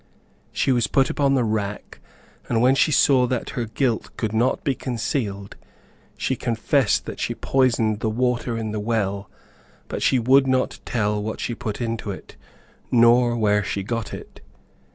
She was put upon the rack, and when she saw that her guilt could not be concealed, she confessed that she poisoned the water in the well, but she would not tell what she put into it, nor where she got it.